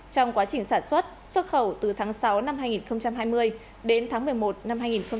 trong quá trình sản xuất xuất khẩu từ tháng sáu năm hai nghìn hai mươi đến tháng một mươi một năm hai nghìn hai mươi